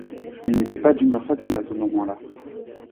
Il n’était pas d’humeur facile en ce moment-là.